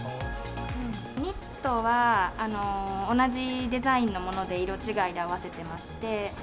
ニットは同じデザインのもので色違いで合わせてまして。